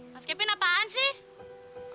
mas kepin apaan sih